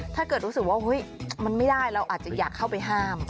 ถ้าเกิดว่ามันไม่ได้เราอาจจะอยากเข้าไปห้าม